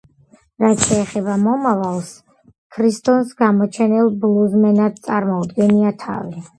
რაც შეეხება მომავალს, ქრისტონს გამოჩენილ ბლუზმენად წარმოუდგენია თავი.